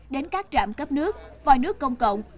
đến các trạm cấp nước và nước công cộng